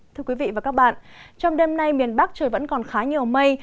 thưa quý vị và các bạn trong đêm nay miền bắc trời vẫn còn khá nhiều mây